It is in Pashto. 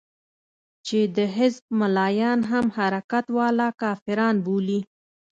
چې د حزب ملايان هم حرکت والا کافران بولي.